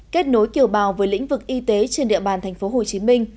kết nối kiều bào với lĩnh vực y tế trên địa bàn tp hcm